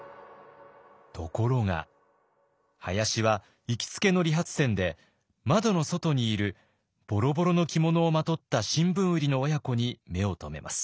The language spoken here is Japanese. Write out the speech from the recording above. ところが林は行きつけの理髪店で窓の外にいるボロボロの着物をまとった新聞売りの親子に目を留めます。